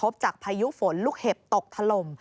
จากพายุฝนลูกเห็บตกถล่ม